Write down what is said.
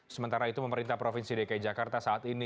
sementara itu pemerintah provinsi dki jakarta saat ini